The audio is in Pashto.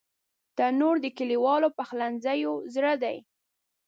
تنور د کلیوالو پخلنځیو زړه دی